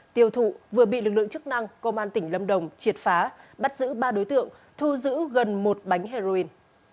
tiêu thụ vừa bị lực lượng chức năng công an tỉnh lâm đồng triệt phá bắt giữ ba đối tượng thu giữ gần một bánh heroin